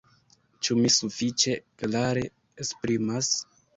Ĉu mi sufiĉe klare esprimas?